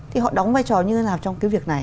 thì họ đóng vai trò như thế nào trong cái việc này